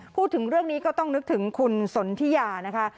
พูดถึงเรื่องนี้ก็ต้องนึกถึงคุณสนทิยานะคะ